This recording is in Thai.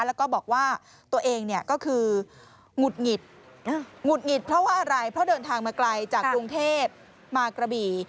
แล้วก็บอกว่าตัวเองเนี่ยก็คือหงุดหงิดหงุดหงิดเพราะว่าอะไรเพราะเดินทางมาไกลจากกรุงเทพมากระบี่